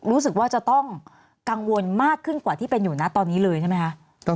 รู้สึกว่าจะต้องกังวลมากขึ้นกว่าที่เป็นอยู่นะตอนนี้เลยใช่ไหมคะ